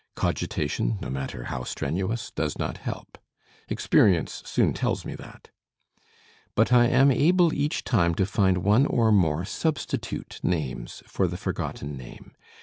Cogitation, no matter how strenuous, does not help. Experience soon tells me that. But I am able each time to find one or more substitute names for the forgotten name.